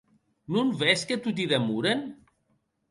Non ves que toti demoren?